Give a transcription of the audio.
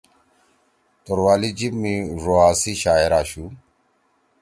توروالی جیِب می ڙوا سی شاعر آشُو۔